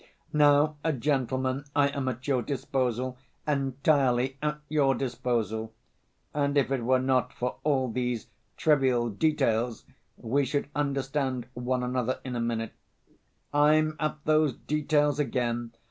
"Now, gentlemen, I am at your disposal, entirely at your disposal. And if it were not for all these trivial details, we should understand one another in a minute. I'm at those details again.